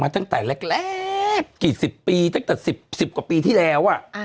ตั้งแต่แรกกี่สิบปีตั้งแต่๑๐กว่าปีที่แล้ว